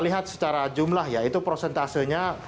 lihat secara jumlah ya itu prosentasenya